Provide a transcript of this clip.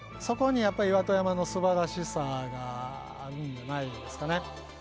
そこにやっぱり岩戸山のすばらしさがあるんじゃないですかね。